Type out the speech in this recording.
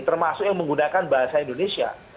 termasuk yang menggunakan bahasa indonesia